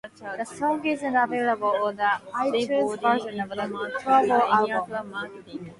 The song isn't available on the iTunes version of the "Trouble" album.